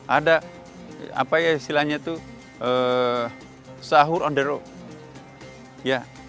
ada apa ya istilahnya itu sahur on the road